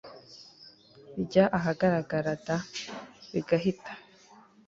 bijya ahagaragara d bigahita